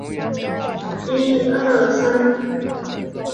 家人让她读幼稚园